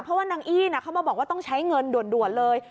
เพราะว่านางอี้เขามาบอกว่าต้องใช้เงินด่วนเลย